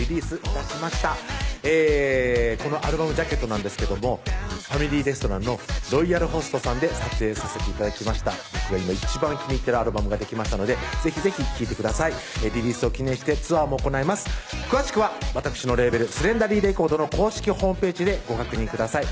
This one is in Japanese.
このアルバムジャケットなんですけどもファミリーレストランのロイヤルホストさんで撮影させて頂きました僕が今一番気に入っているアルバムができましたので是非是非聴いてくださいリリースを記念してツアーも行います詳しくはわたくしのレーベルスレンダリーレコードの公式ＨＰでご確認ください